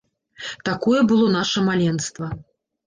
Такое было наша маленства.